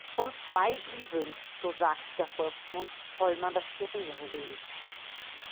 Von zwei Übeln, so sagt der Volksmund, soll man das geringere wählen.